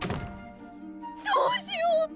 どうしよう！